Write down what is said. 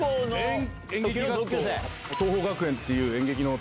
桐朋学園っていう。